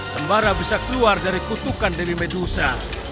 sembara bisa keluar dari kutukan demi medusa